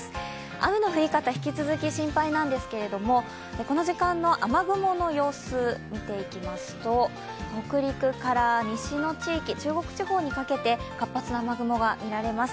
雨の降り方引き続き心配なんですけどこの時間の雨雲の様子見ていきますが北陸から西の地域、中国地方にかけて活発な雨雲が見られます。